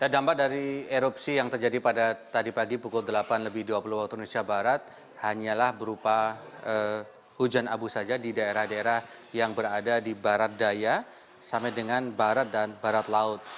dampak dari erupsi yang terjadi pada tadi pagi pukul delapan lebih dua puluh waktu indonesia barat hanyalah berupa hujan abu saja di daerah daerah yang berada di barat daya sampai dengan barat dan barat laut